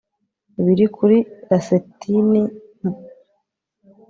biri kuri lasiteni, umubyeyi wanjye